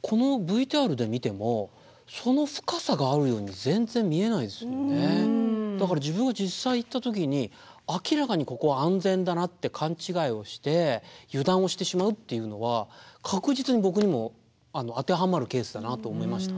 このＶＴＲで見てもだから自分が実際行った時に明らかにここは安全だなって勘違いをして油断をしてしまうっていうのは確実に僕にも当てはまるケースだなと思いました。